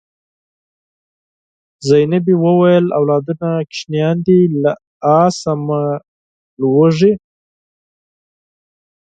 زینبې وویل اولادونه کوچنیان دي له آسه مه لوېږئ.